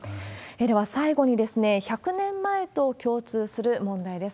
では最後に、１００年前と共通する問題です。